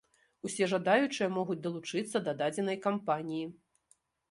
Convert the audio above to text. Усе жадаючыя могуць далучыцца да дадзенай кампаніі.